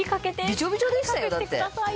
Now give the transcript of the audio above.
びちょびちょでしたよだって。